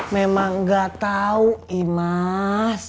memang gak tau imas